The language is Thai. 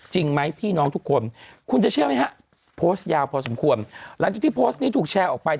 จริงไหมพี่น้องทุกคนคุณจะเชื่อไหมฮะโพสต์ยาวพอสมควรหลังจากที่โพสต์นี้ถูกแชร์ออกไป